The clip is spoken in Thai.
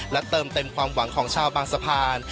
และเติมเต็มความหวังของชาวบางสะพาน